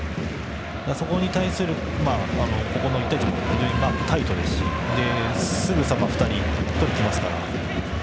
そこに対する１対１も非常にタイトですしすぐさま２人とりにきますから。